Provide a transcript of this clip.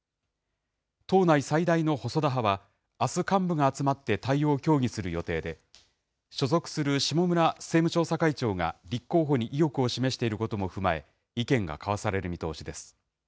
党内最大の細田派は、あす幹部が集まって対応を協議する予定で、所属する下村政務調査会長が立候補に意欲を示していることも踏まえ、意見が交わされる見通しです。